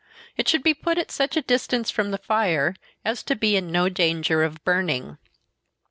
It should be put at such a distance from the fire, as to be in no danger of burning.